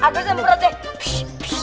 agusin perut deh